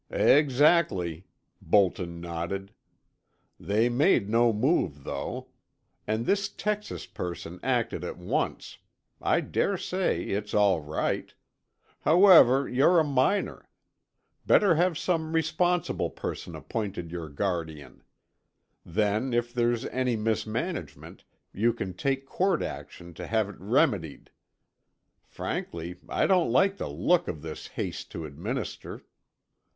"Exactly," Bolton nodded. "They made no move, though. And this Texas person acted at once: I dare say it's all right. However, you're a minor. Better have some responsible person appointed your guardian. Then if there's any mismanagement, you can take court action to have it remedied. Frankly, I don't like the look of this haste to administer.